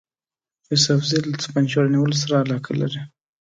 یوسفزي له توپنچو رانیولو سره علاقه لري.